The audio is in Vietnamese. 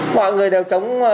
mọi người đều chống